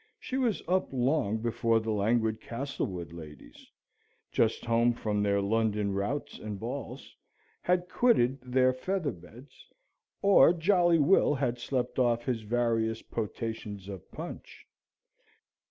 She was up long before the languid Castlewood ladies (just home from their London routs and balls) had quitted their feather beds, or jolly Will had slept off his various potations of punch.